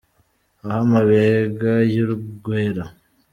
Aho amabega y’urwera